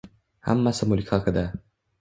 Hammasi mulk haqida